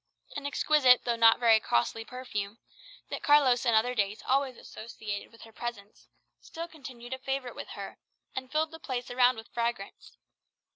An exquisite though not very costly perfume, that Carlos in other days always associated with her presence, still continued a favourite with her, and filled the place around with fragrance.